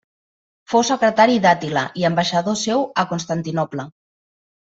Fou secretari d'Àtila i ambaixador seu a Constantinoble.